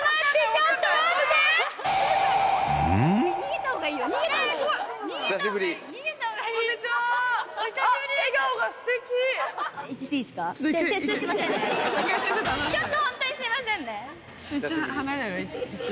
ちょっとホントにすいませんね。